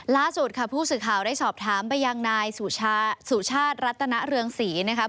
ล่าสุดค่ะผู้สื่อข่าวได้สอบถามไปยังนายสุชาติรัตนเรืองศรีนะครับ